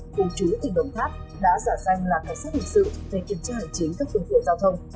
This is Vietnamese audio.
khu chủ tỉnh đồng tháp đã giả danh là cảnh sát hình sự để kiểm tra hành chính các cơ quan tiện giao thông